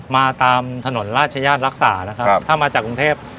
มาตามถนนราชญาณรักษาถ้ามาจากกรุงเทพฯ